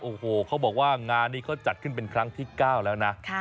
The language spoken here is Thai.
โอ้โหเขาบอกว่างานนี้เขาจัดขึ้นเป็นครั้งที่๙แล้วนะ